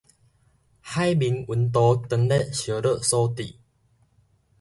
海面溫度當咧熱烙所致